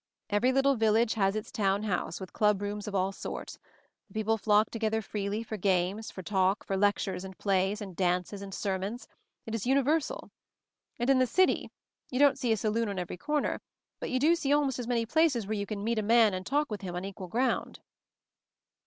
"Every little village has its Town House, with club rooms of all sorts ; the people flock together freely, for games, for talk, for lec tures, and plays, and dances, and sermons — it is universal. And in the city — you don't see a saloon on every corner, but you do see almost as many places where you can 'meet a man' and talk with him on equal ground."